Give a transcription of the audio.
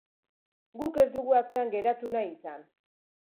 Guk ez dugu atzean geratu nahi izan.